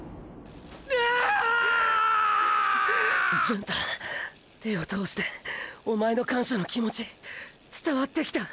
純太ーー手を通しておまえの感謝のきもち伝わってきた。